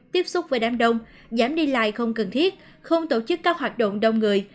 tiếp xúc với đám đông giảm đi lại không cần thiết không tổ chức các hoạt động đông người